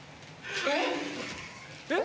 えっ？